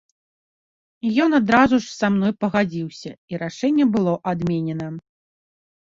І ён адразу ж са мной пагадзіўся, і рашэнне было адменена.